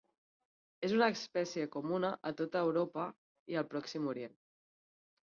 És una espècie comuna a tota Europa i al Pròxim Orient.